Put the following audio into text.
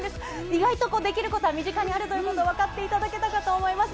意外とできることは身近にあるということが分かっていただけたかと思います。